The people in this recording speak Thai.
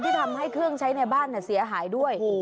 ทำให้เครื่องใช้ในบ้านเสียหายด้วย